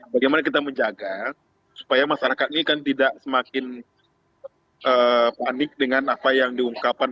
bagaimana kita menjaga supaya masyarakat ini kan tidak semakin panik dengan apa yang diungkapkan